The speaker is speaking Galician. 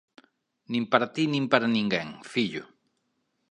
_Nin para ti nin para ninguén, fillo.